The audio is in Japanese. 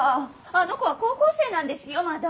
あの子は高校生なんですよまだ。